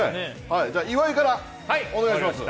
はいじゃあ岩井からお願いします。